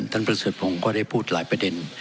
ท่านประสิทธิ์ผมก็ได้พูดหลายประเด็น